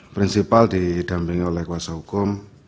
prinsipal didampingi oleh kuasa hukum